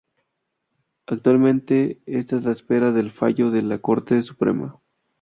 Actualmente está a la espera del fallo de la Corte Suprema.